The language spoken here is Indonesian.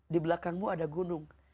di belakangmu ada gunung